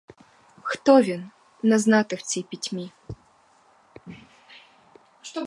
Хто він — не знати в цій пітьмі.